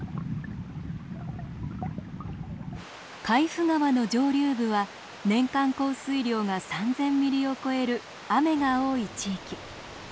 海部川の上流部は年間降水量が３，０００ミリを超える雨が多い地域。